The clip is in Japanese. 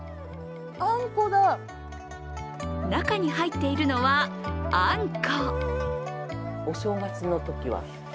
中に入っているのは、あんこ。